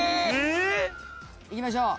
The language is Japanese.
いきましょう。